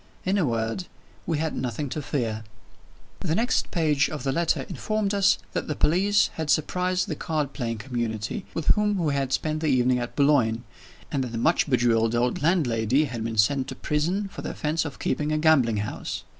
In a word, we had nothing to fear. The next page of the letter informed us that the police had surprised the card playing community with whom we had spent the evening at Boulogne, and that the much bejeweled old landlady had been sent to prison for the offense of keeping a gambling house.